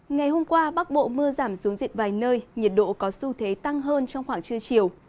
ngày hôm qua bắc bộ mưa giảm xuống diện vài nơi nhiệt độ có xu thế tăng hơn trong khoảng trưa chiều